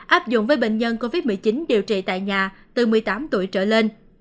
áp dụng với bệnh nhân covid một mươi chín điều trị tại nhà từ một mươi tám tuổi trở lên